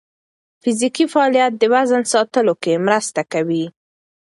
فزیکي فعالیت د وزن ساتلو کې مرسته کوي.